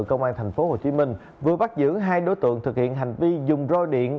công an tp hcm vừa bắt giữ hai đối tượng thực hiện hành vi dùng roi điện